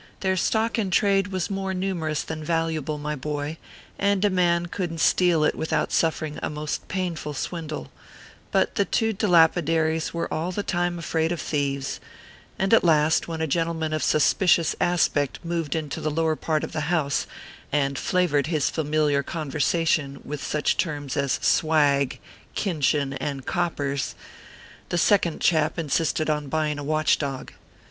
Their stock in trade was more numerous than valuable, my boy, and a man couldn t steal it without suffering a most painful swindle ; but the two dilapidates were all the time afraid of thieves ; and at last, when a gentleman of suspicious aspect moved into the lower part of the house, and flavored his familiar conversation with such terms as " swag," "kinchin," and "coppers," the second chap insisted upon buying a watch dog.